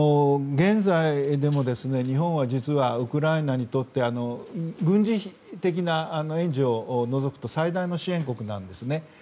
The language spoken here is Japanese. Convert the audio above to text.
現在でも、日本は実はウクライナにとって軍事的な援助を除くと最大の支援国なんですね。